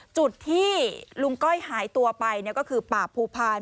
จุดที่ลุงก้อยหายตัวไปก็คือป่าภูพาล